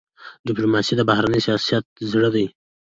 ډيپلوماسي د بهرني سیاست زړه دی.